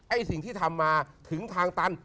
สิ่งที่ทำมาถึงทางตัน